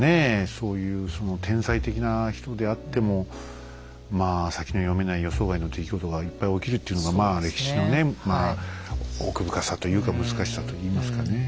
そういうその天才的な人であってもまあ先の読めない予想外の出来事がいっぱい起きるっていうのがまあ歴史のねまあ奥深さというか難しさといいますかねえ。